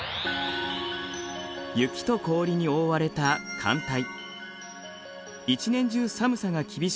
雪と氷に覆われた寒帯。